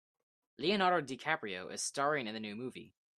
Leonardo DiCaprio is staring in the new movie.